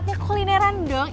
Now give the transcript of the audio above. kita kulineran dong